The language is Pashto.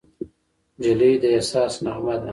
نجلۍ د احساس نغمه ده.